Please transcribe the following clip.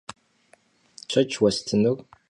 Sıt xuede têpşeç vuestınur?